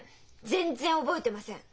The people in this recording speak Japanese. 全然覚えてません！